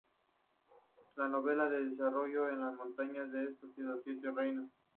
La novela se desarrolla en las montañas del este de los siete reinos.